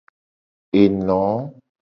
Eno.